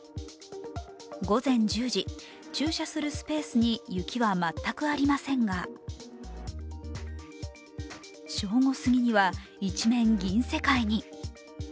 午前１０時、駐車するスペースに雪は全くありませんが、正午すぎには、一面、銀世界に。